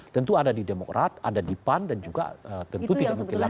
tentu ada di demokrat ada di pan dan juga tentu tidak mungkin lagi